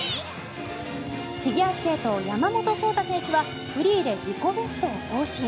フィギュアスケート山本草太選手はフリーで自己ベストを更新。